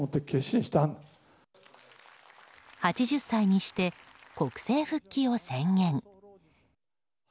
８０歳にして国政復帰を宣言。